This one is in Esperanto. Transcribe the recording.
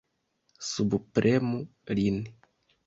Subpremu lin!